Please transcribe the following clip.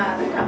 của cộng đồng